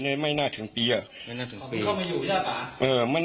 เขามาอยู่ได้หรือเปล่า